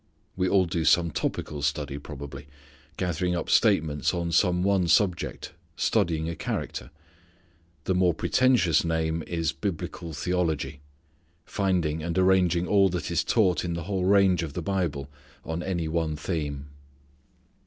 We all do some topical study probably. Gathering up statements on some one subject, studying a character. The more pretentious name is Biblical Theology, finding and arranging all that is taught in the whole range of the Bible on any one theme.